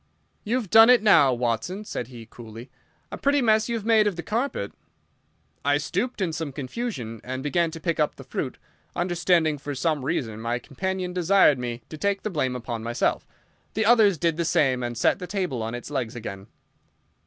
"You've done it now, Watson," said he, coolly. "A pretty mess you've made of the carpet." I stooped in some confusion and began to pick up the fruit, understanding for some reason my companion desired me to take the blame upon myself. The others did the same, and set the table on its legs again.